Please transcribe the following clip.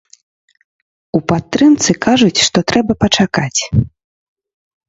У падтрымцы кажуць, што трэба пачакаць.